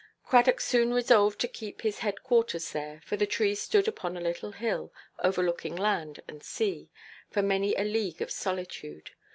Cradock soon resolved to keep his head–quarters there, for the tree stood upon a little hill, overlooking land and sea, for many a league of solitude.